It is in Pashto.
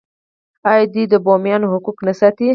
آیا دوی د بومیانو حقوق نه ساتي؟